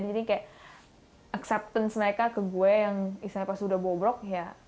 jadi kayak acceptance mereka ke gue yang istilahnya pas sudah bobrok ya